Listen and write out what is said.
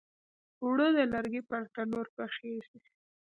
اوړه د لرګي پر تنور پخیږي